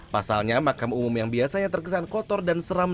pasalnya makam umum yang biasanya terkesan kotor dan seram